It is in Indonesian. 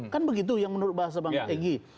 kan begitu yang menurut bahasa bang egy